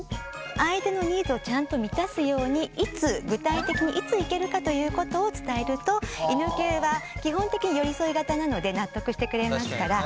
相手のニーズをちゃんと満たすようにいつ具体的にいつ行けるかということを伝えると犬系は基本的に寄り添い型なので納得してくれますから。